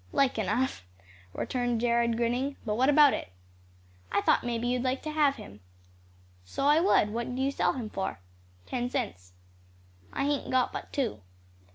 "Like enough," returned Jared, grinning. "But what about it?" "I thought may be you'd like to have him." "So I would, what'll you sell him for?" "Ten cents." "I hain't got but two."